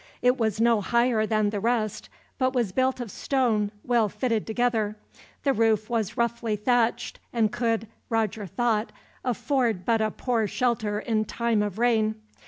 It was no higher than the rest, but was built of stone, well fitted together. The roof was roughly thatched, and could, Roger thought, afford but a poor shelter in time of rain.